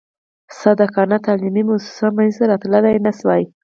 صادقانه تعلیمي موسسه منځته راتلای نه شوای.